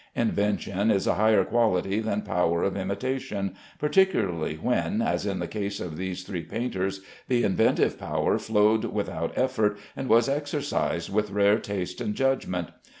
Invention is a higher quality than power of imitation, particularly when, as in the case of these three painters, the inventive power flowed without effort and was exercised with rare taste and judgment.